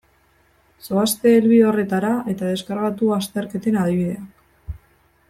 Zoazte helbide horretara eta deskargatu azterketen adibideak.